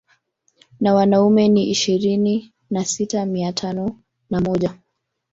Na wanaume ni ishirini na sita mia tano na moja